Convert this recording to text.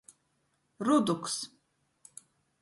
Ruduks.